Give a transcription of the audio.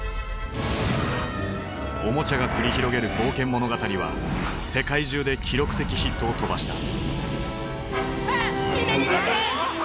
おもちゃが繰り広げる冒険物語は世界中で記録的ヒットを飛ばした。